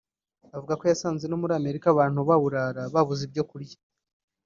Avuga ko yasanze no muri America abantu baburara babuze ibyo kurya